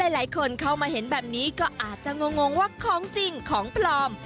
หลายคนเข้ามาเห็นแบบนี้ก็อาจจะงงว่าของจริงของปลอม